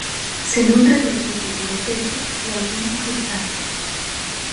Se nutre de otros tipos de peces y algunos crustáceos.